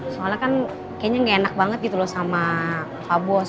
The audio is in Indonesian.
soalnya kan kayaknya nggak enak banget gitu loh sama pak bos